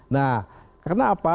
nah karena apa